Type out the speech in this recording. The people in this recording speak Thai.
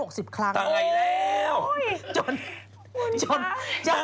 โอ้ยยยยยยยยยจนจนจนจนกระทิ